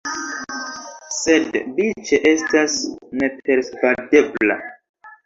Sed Biĉe estas nepersvadebla.